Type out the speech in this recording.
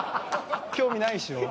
興味ないでしょ？